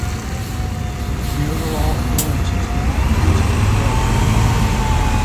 The overall endurance is to be increased as well.